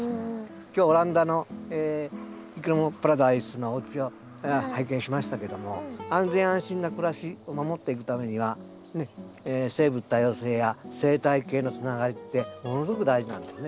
今日オランダのいきものパラダイスのおうちを拝見しましたけども安全安心な暮らしを守っていくためには生物多様性や生態系のつながりってものすごく大事なんですね。